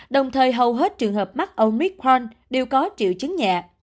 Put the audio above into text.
đồng thời hầu hết trường hợp mắc omicron đều có triệu chứng nhẹ